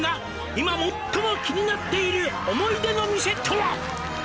「今最も気になっている思い出の店とは」